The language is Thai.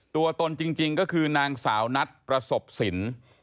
ตนจริงก็คือนางสาวนัทประสบสิน